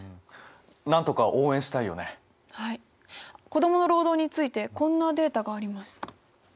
子どもの労働についてこんなデータがあります。